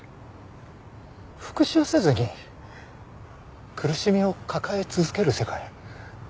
復讐せずに苦しみを抱え続ける世界。